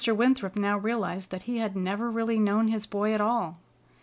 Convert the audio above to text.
Winthrop now realized that he had never really known his boy at all.